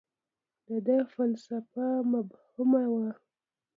• د ده فلسفه مبهمه وه.